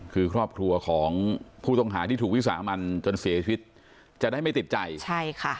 คือครอบครัวของผู้ต้องหาที่ถูกวิสามันจนเสียชีวิตจะได้ไม่ติดใจใช่ค่ะ